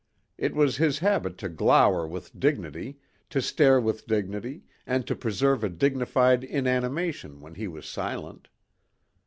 It was his habit to glower with dignity, to stare with dignity and to preserve a dignified inanimation when he was silent.